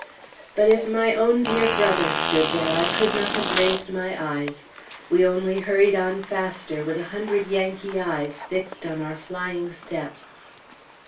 But if my own dear brother stood there, I could not have raised my eyes; we only hurried on faster, with a hundred Yankees eyes fixed on our flying steps.